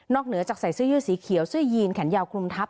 เหนือจากใส่เสื้อยืดสีเขียวเสื้อยีนแขนยาวคลุมทับ